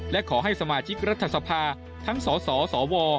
และขอให้สมาชิกรัฐสภาทั้งสสสว